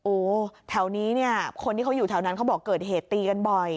โอ้แถวนี้เนี่ยคนที่เขาอยู่แถวนั้นเขาบอกเกิดเหตุตีกันบ่อย